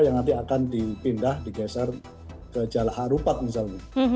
yang nanti akan dipindah digeser ke jalah harupat misalnya